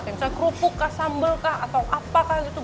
kayak misalnya kerupuk kah sambal kah atau apa kah gitu